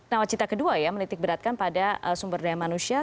nawacita kedua ya menitik beratkan pada sumber daya manusia